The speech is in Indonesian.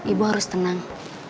ibu harus tenang